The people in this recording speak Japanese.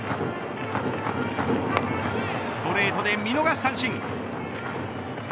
ストレートで見逃し三振。